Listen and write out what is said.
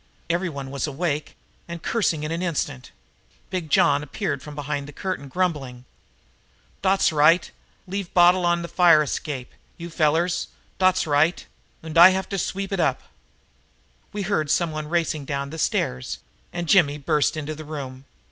Everyone was awake and cursing in an instant. Big John appeared from behind the curtain, grumbling: "Dot's right! Leave bottle on the fire escape, you fellers! Dot's right! Und I have to sweep up." We heard someone racing down the stairs and Jimmy burst into the room.